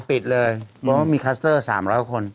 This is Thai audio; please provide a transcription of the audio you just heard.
ปิดเลยเพราะว่ามีคัสเตอร์๓๐๐คน